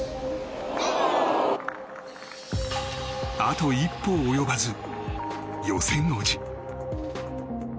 あと一歩及ばず、予選落ち。